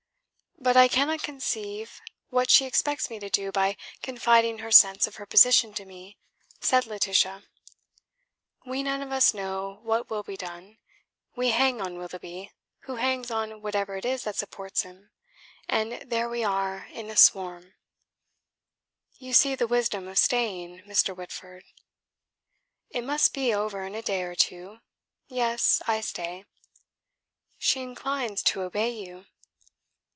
"But I cannot conceive what she expects me to do by confiding her sense of her position to me," said Laetitia. "We none of us know what will be done. We hang on Willoughby, who hangs on whatever it is that supports him: and there we are in a swarm." "You see the wisdom of staying, Mr. Whitford." "It must be over in a day or two. Yes, I stay." "She inclines to obey you."